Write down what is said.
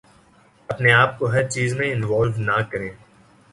اپنے آپ کو ہر چیز میں انوالو نہ کریں